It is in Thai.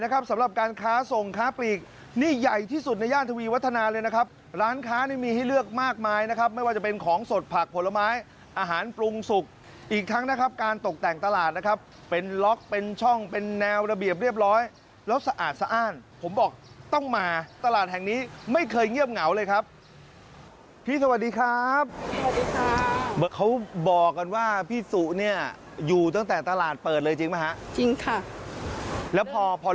การค้าส่งค้าปลีกนี่ใหญ่ที่สุดในย่านทวีวัฒนาเลยนะครับร้านค้านี่มีให้เลือกมากมายนะครับไม่ว่าจะเป็นของสดผักผลไม้อาหารปรุงสุกอีกทั้งนะครับการตกแต่งตลาดนะครับเป็นล็อกเป็นช่องเป็นแนวระเบียบเรียบร้อยแล้วสะอาดสะอ้านผมบอกต้องมาตลาดแห่งนี้ไม่เคยเงียบเหงาเลยครับพี่สวัสดีครับพี่สวัสดีครับ